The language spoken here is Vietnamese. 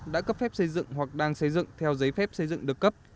đã cấp phép xây dựng hoặc đang xây dựng theo giấy phép xây dựng được cấp